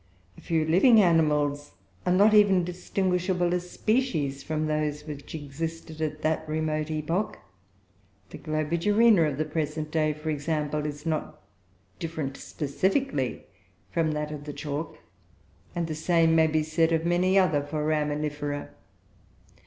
A few living animals are not even distinguishable as species, from those which existed at that remote epoch. The Globigerina of the present day, for example, is not different specifically from that of the chalk; and the same maybe said of many other Foraminifera.